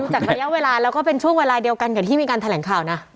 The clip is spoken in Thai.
จากระยะเวลาแล้วก็เป็นช่วงเวลาเดียวกันกับที่มีการแถลงข่าวนะ